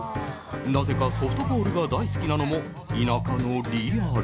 なぜかソフトボールが大好きなのも田舎のリアル。